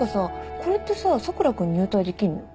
これってさ佐倉君入隊できんの？